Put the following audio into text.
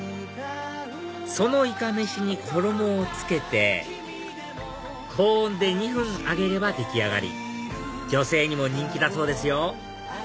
そのイカメシに衣をつけて高温で２分揚げれば出来上がり女性にも人気だそうですよ